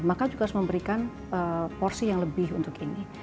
maka juga harus memberikan porsi yang lebih untuk ini